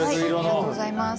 ありがとうございます。